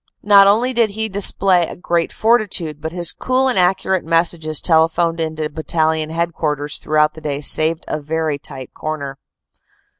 Not only did he display great fortitude, but his cool and accurate messages telephoned in to Battalion Headquarters throughout the day saved a very tight corner.